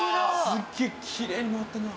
すげえきれいに回ってるな。